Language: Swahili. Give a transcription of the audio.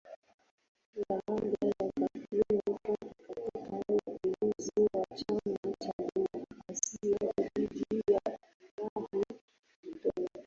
Baada ya kampeni kali katika uteuzi wa chama cha Demokrasia dhidi ya Hillary Clinton